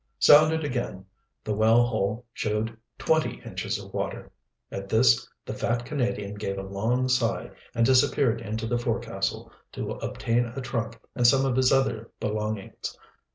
Sounded again, the well hole showed twenty inches of water. At this the fat Canadian gave a long sigh and disappeared into the forecastle, to obtain a trunk and some of his other belongings.